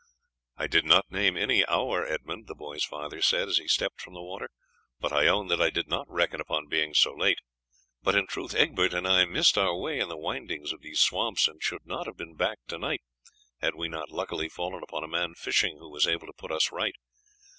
"I did not name any hour, Edmund," the boy's father said, as he stepped from the water, "but I own that I did not reckon upon being so late; but in truth Egbert and I missed our way in the windings of these swamps, and should not have been back to night had we not luckily fallen upon a man fishing, who was able to put us right.